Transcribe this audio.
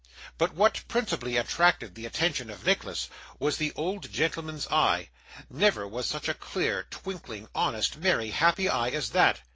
But what principally attracted the attention of Nicholas was the old gentleman's eye, never was such a clear, twinkling, honest, merry, happy eye, as that.